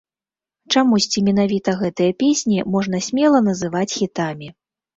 Чамусьці менавіта гэтыя песні можна смела называць хітамі.